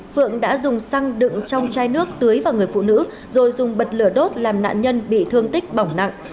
phượng đã dùng xăng đựng trong chai nước tưới vào người phụ nữ rồi dùng bật lửa đốt làm nạn nhân bị thương tích bỏng nặng